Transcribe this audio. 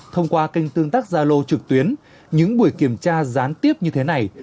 trong tương tác gia lô trực tuyến những buổi kiểm tra gián tiếp như thế này